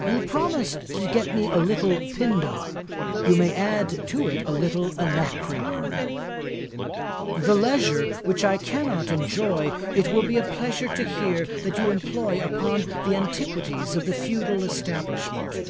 'You promised to get me a little Pindar, you may add to it a little Anacreon. 'The leisure which I cannot enjoy, it will be a pleasure to hear that you employ upon the antiquities of the feudal establishment.